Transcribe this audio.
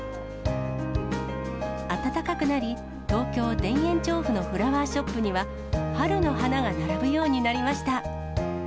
暖かくなり、東京・田園調布のフラワーショップには、春の花が並ぶようになりました。